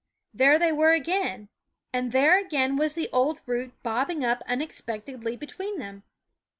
There they were again; and there again was the old root bobbing up unexpectedly between them.